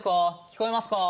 聞こえますか？